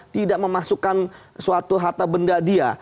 tidak memasukkan suatu harta benda dia